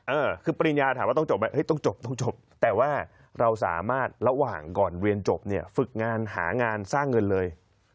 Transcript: เออคือปริญญาถามว่าต้องจบไหมต้องจบต้องจบแต่ว่าเราสามารถระหว่างก่อนเรียนจบเนี่ยฝึกงานหางานสร้างเงินเลย